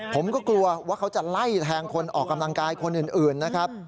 ผมก็กลัวว่าเขาจะไล่แทงคนออกกำลังกายคนอื่นนะครับ